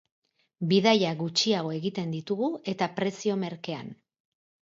Bidaia gutxiago egiten ditugu eta prezio merkean.